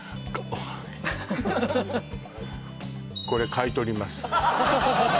これ買い取ります